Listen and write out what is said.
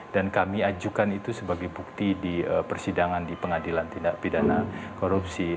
dan kami ajukan itu sebagai bukti di persidangan di pengadilan tindak pidana korupsi